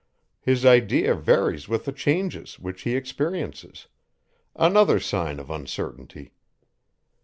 His idea varies with the changes, which he experiences; another sign of uncertainty.